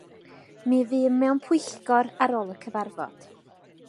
Mi fûm mewn pwyllgor ar ôl y cyfarfod.